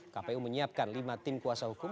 kpu menyiapkan lima tim kuasa hukum